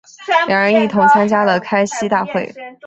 两人一同参加了开西大会。